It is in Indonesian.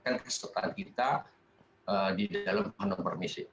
dan kesempatan kita di dalam penuh permisi